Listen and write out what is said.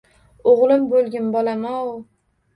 — O’g’lim bo’lgin, bolam-ov